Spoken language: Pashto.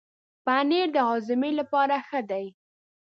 پنېر د هاضمې لپاره ښه دی.